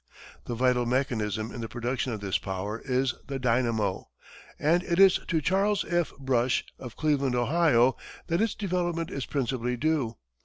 The vital mechanism in the production of this power is the dynamo, and it is to Charles F. Brush, of Cleveland, Ohio, that its development is principally due.